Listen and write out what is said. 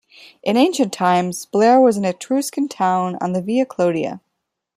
In ancient times, Blera was an Etruscan town on the Via Clodia.